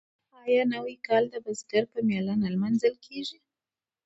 آیا نوی کال د بزګر په میله نه لمانځل کیږي؟